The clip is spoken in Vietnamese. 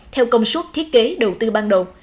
theo công suất thiết kế đầu tư ban đầu